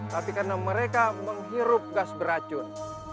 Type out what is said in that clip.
tapi karena mereka menghirup gas beracun